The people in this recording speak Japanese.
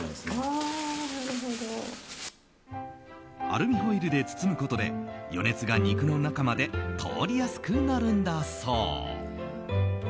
アルミホイルで包むことで余熱が肉の中まで通りやすくなるんだそう。